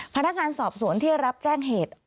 พนักงานสอบสวนที่รับแจ้งเหตุ